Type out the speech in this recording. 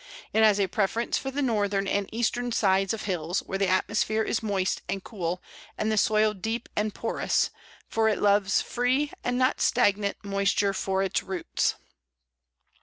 It has a preference for the northern and eastern sides of hills, where the atmosphere is moist and cool, and the soil deep and porous, for it loves free and not stagnant moisture for its roots.